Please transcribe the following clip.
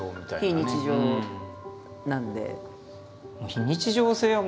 非日常なんで。